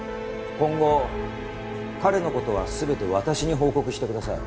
今後彼の事は全て私に報告してください。